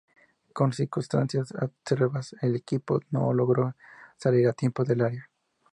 Por circunstancias adversas, el equipo no logró salir a tiempo del área.